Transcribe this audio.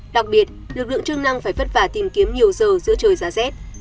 đặc biệt lực lượng chức năng phải vất vả tìm kiếm nhiều giờ giữa trời giá rét